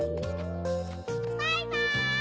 バイバイ！